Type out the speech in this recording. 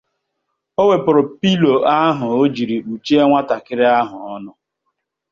o wepuru 'pillow' ahụ o jiri kpuchi nwatakịrị ahụ ọnụ